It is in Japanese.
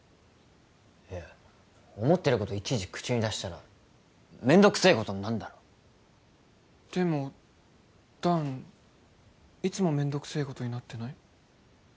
いや思ってることいちいち口に出したらめんどくせえことになんだろでも弾いつもめんどくせえことになってない？